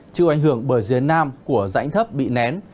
chịu ảnh hưởng bờ dưới nam của dãnh thấp bị nén